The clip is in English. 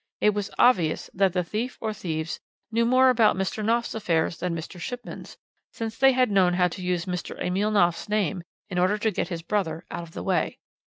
It was obvious that the thief or thieves knew more about Mr. Knopf's affairs than Mr. Shipman's, since they had known how to use Mr. Emile Knopf's name in order to get his brother out of the way.